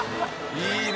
いいね！